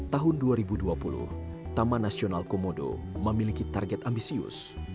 tahun dua ribu dua puluh taman nasional komodo memiliki target ambisius